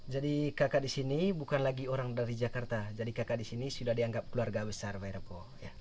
jadi kakak di sini bukan lagi orang dari jakarta jadi kakak di sini sudah dianggap keluarga besar wairabo